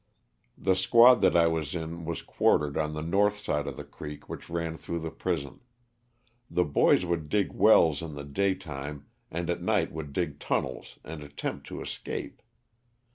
The squad that I was in was quartered on the north side of the creek which ran through the prison. The boys would dig wells in the day time and at night would dig tunnels and attempt to escape.